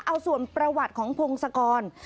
เอาส่วนประวัติของพงศกร